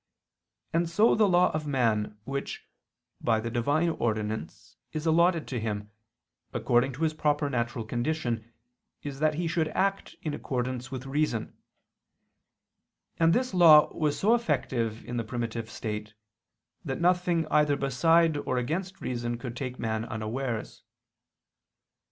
And so the law of man, which, by the Divine ordinance, is allotted to him, according to his proper natural condition, is that he should act in accordance with reason: and this law was so effective in the primitive state, that nothing either beside or against reason could take man unawares.